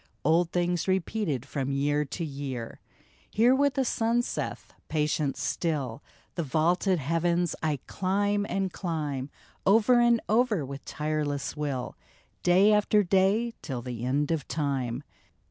Old things repeated from year to year ! Hear what the sun saith :" Patient still, The vaulted heavens I climb and climb, Over and over with tireless will, Day after day till the end of time